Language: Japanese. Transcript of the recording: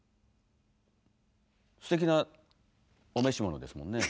すてきなお召し物ですもんね。